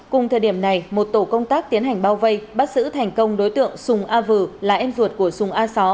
cùng thời điểm này một tổ công tác tiến hành bao vây bắt giữ thành công đối tượng sùng a v là em ruột của sùng a sáu